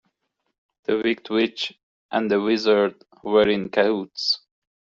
The wicked witch and the wizard were in cahoots.